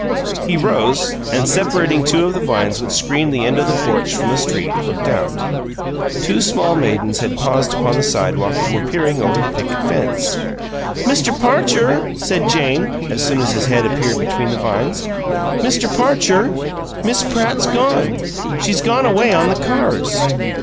He rose, and, separating two of the vines which screened the end of the porch from the street, looked out. Two small maidens had paused upon the sidewalk, and were peering over the picket fence. "Mr. Parcher," said Jane, as soon as his head appeared between the vines "Mr. Parcher, Miss Pratt's gone. She's gone away on the cars."